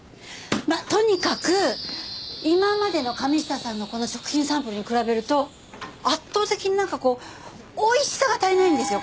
まあとにかく今までの神下さんのこの食品サンプルに比べると圧倒的になんかこうおいしさが足りないんですよ